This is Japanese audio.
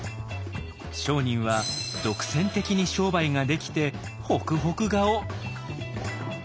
商人は独占的に商売ができてホクホク顔。